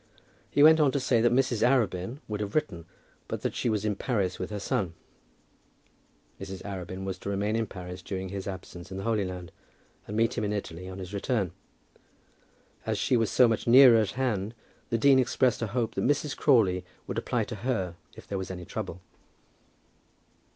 He went on to say that Mrs. Arabin would have written, but that she was in Paris with her son. Mrs. Arabin was to remain in Paris during his absence in the Holy Land, and meet him in Italy on his return. As she was so much nearer at hand, the dean expressed a hope that Mrs. Crawley would apply to her if there was any trouble.